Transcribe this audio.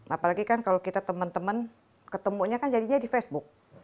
apalagi kan kalau kita teman teman ketemunya kan jadinya di facebook